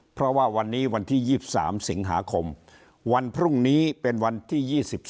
เพราะว่าวันนี้วันที่๒๓สิงหาคมวันพรุ่งนี้เป็นวันที่๒๒